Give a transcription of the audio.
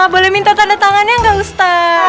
boleh minta tanda tangannya nggak ustadz